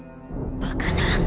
バカな！